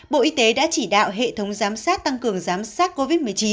bộ y tế đã chỉ đạo hệ thống giám sát tăng cường giám sát covid một mươi chín